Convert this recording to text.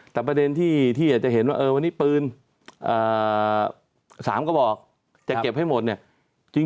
แต่ประเด็นที่อาจจะเห็นว่าวันนี้ปืน๓กระบอกจะเก็บให้หมดเนี่ย